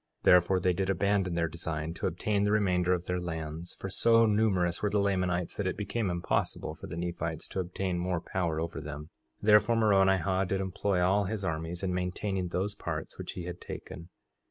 4:19 Therefore they did abandon their design to obtain the remainder of their lands, for so numerous were the Lamanites that it became impossible for the Nephites to obtain more power over them; therefore Moronihah did employ all his armies in maintaining those parts which he had taken.